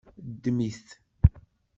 Ddem-it!